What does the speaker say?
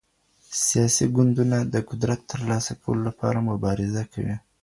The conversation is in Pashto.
سياسي ګوندونه د قدرت تر لاسه کولو لپاره مبارزه کوي.